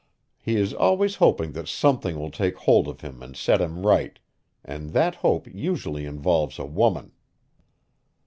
He is always hoping that something will take hold of him and set him right, and that hope usually involves a woman.